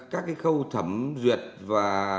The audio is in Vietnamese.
các khâu thẩm duyệt và